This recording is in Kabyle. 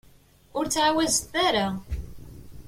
Ur ttɛawazet ara.